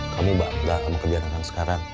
kamu bakal sama kebiarangan sekarang